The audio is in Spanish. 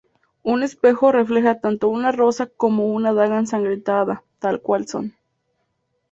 Un espejo refleja tanto una rosa como una daga ensangrentada tal cual son.